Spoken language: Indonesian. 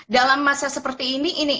dalam masa seperti ini